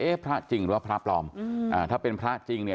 พระจริงหรือว่าพระปลอมถ้าเป็นพระจริงเนี่ย